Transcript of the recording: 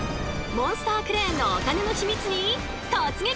モンスタークレーンのお金のヒミツに突撃！